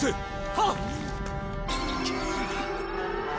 はっ！